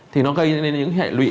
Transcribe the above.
thì nó gây ra những hệ lụy